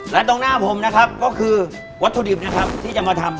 และตรงหน้าผมนะครับก็คือวัตถุดิบนะครับที่จะมาทำ